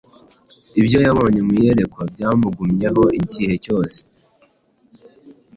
Ibyo yabonye mu iyerekwa byamugumyemo igihe cyose,